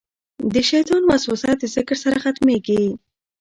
د شیطان وسوسه د ذکر سره ختمېږي.